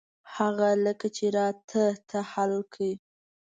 هغه لکه چې را ته ته حل کړې.